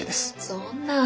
そんなぁ。